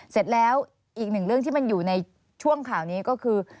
เสร็จแล้วอีกหนึ่งเรื่องที่มันอยู่ในช่วงข่าวนี้ก็คือ